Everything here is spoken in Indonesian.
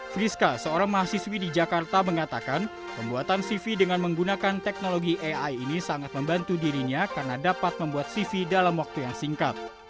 friska seorang mahasiswi di jakarta mengatakan pembuatan cv dengan menggunakan teknologi ai ini sangat membantu dirinya karena dapat membuat cv dalam waktu yang singkat